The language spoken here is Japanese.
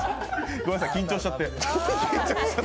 ごめんなさい緊張しちゃって。